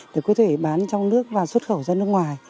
để có thể bán trong nước và xuất khẩu ra nước ngoài